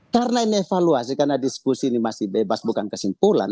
karena ini evaluasi karena diskusi ini masih bebas bukan kesimpulan